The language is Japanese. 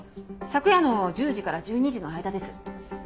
昨夜の１０時から１２時の間です。